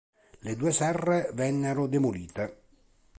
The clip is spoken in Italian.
La due serre vennero demolite.